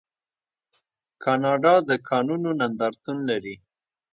کاناډا د کانونو نندارتون لري.